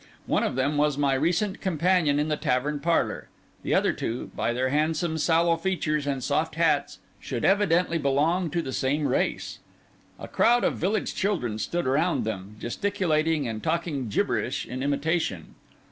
One of them was my recent companion in the tavern parlour; the other two, by their handsome, sallow features and soft hats, should evidently belong to the same race. A crowd of village children stood around them, gesticulating and talking gibberish in imitation.